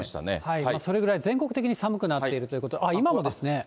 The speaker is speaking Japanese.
それぐらい、全国的に寒くなっているということで、今もですね。